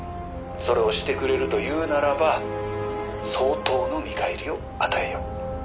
「それをしてくれるというならば相当の見返りを与えよう」